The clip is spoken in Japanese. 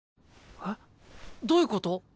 えっどういうこと？